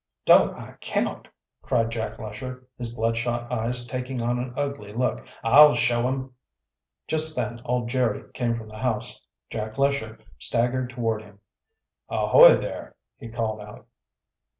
"Don't I count!" cried Jack Lesher, his blood shot eyes taking on an ugly look. "I'll show 'em!" Just then old Jerry came from the house. Jack Lesher staggered toward him. "Ahoy there!" he called out.